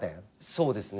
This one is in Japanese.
そうですね